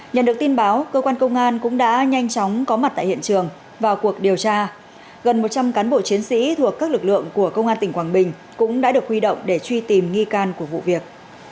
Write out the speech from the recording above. nhận được tin báo cơ quan công an cũng đã nhanh chóng có mặt tại hiện trường vào cuộc điều tra gần một trăm linh cán bộ chiến sĩ thuộc các lực lượng của công an tỉnh quảng bình cũng đã được huy động để truy tìm nghi can của vụ việc